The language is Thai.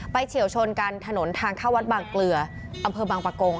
ไปเฉียวชนกันถนนทางเข้าวัดบางเกลือบบังปะโกง